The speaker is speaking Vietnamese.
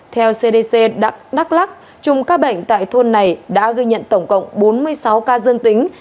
theo cdc đắk lắc trùng ca bệnh tại thôn này đã gây nhận tổng cộng bốn mươi sáu ca dân tính